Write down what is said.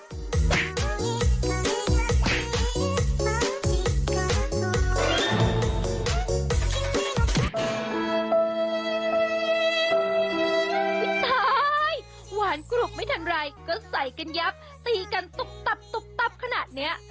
สุดท้ายหวานกรุบไม่ทันไรก็ใส่กันยับตีกันตุ๊บตับตุ๊บตับขนาดนี้